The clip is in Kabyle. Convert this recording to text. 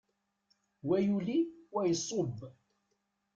Wa yuli, wa iṣubb.